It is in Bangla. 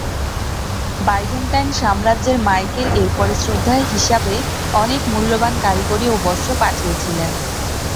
বাইজেন্টাইন সাম্রাজ্যের মাইকেল এর পরে শ্রদ্ধা হিসাবে অনেক মূল্যবান কারিগরি ও বস্ত্র পাঠিয়েছিলেন।